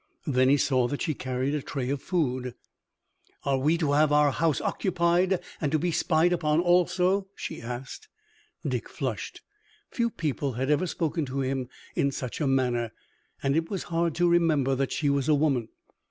Then he saw that she carried a tray of food. "Are we to have our house occupied and to be spied upon also?" she asked. Dick flushed. Few people had ever spoken to him in such a manner, and it was hard to remember that she was a woman.